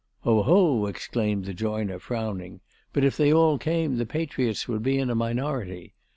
"Oh, ho!" exclaimed the joiner frowning, "but if they all came, the patriots would be in a minority....